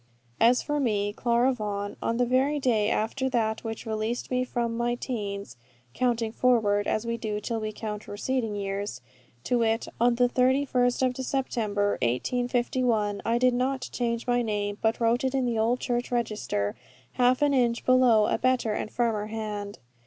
As for me, Clara Vaughan, on the very day after that which released me from my teens (counting forward, as we do, till we count receding years), to wit on the 31st of December, 1851, I did not change my name, but wrote it in the old church register, half an inch below a better and firmer hand.